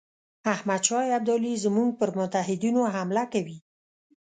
احمدشاه ابدالي زموږ پر متحدینو حمله کوي.